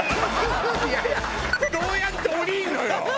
いやいやどうやって降りるのよ。